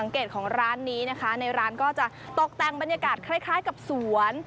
เกตของร้านนี้นะคะในร้านก็จะตกแต่งบรรยากาศคล้ายกับสวน